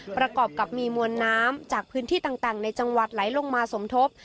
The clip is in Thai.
ประกอบกับมีมวลน้ำจากพื้นที่ต่างในจังหวัดไหลลงมาสมทบ